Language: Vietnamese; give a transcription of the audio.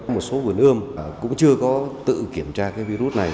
một số vườn ươm cũng chưa có tự kiểm tra cái virus này